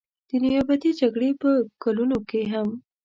د نیابتي جګړې په کلونو کې هم.